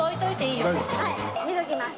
はい見ときます。